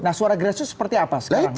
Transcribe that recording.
nah suara grassroots seperti apa sekarang